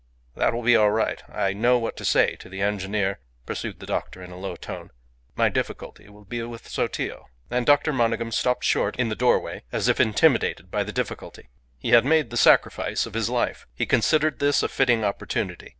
"That will be all right. I know what to say to the engineer," pursued the doctor, in a low tone. "My difficulty will be with Sotillo." And Dr. Monygham stopped short in the doorway as if intimidated by the difficulty. He had made the sacrifice of his life. He considered this a fitting opportunity.